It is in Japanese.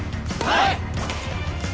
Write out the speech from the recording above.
はい！